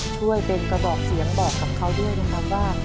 ช่วยเป็นกระบอกเสียงบอกกับเขาด้วยนะครับว่า